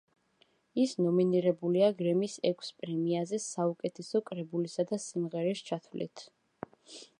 ის ნომინირებულია გრემის ექვს პრემიაზე საუკეთესო კრებულისა და სიმღერის ჩათვლით.